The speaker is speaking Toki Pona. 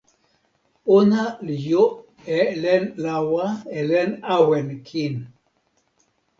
ona li jo e len lawa e len awen kin.